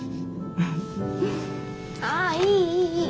あいいいいいい！